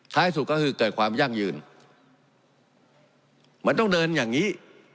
สุดก็คือเกิดความยั่งยืนมันต้องเดินอย่างนี้